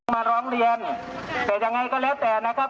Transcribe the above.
มาร้องเรียนแต่ยังไงก็แล้วแต่นะครับ